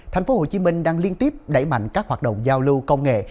tp hcm đang liên tiếp đẩy mạnh các hoạt động giao lưu công nghệ